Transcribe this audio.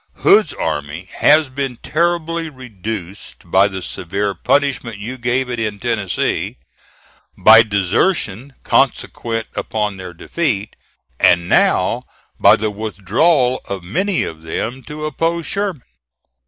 Hood's army has been terribly reduced by the severe punishment you gave it in Tennessee, by desertion consequent upon their defeat, and now by the withdrawal of many of them to oppose Sherman.